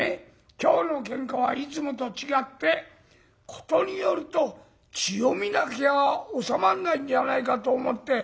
今日の喧嘩はいつもと違って事によると血を見なきゃ収まんないんじゃないかと思って」。